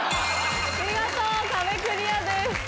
見事壁クリアです。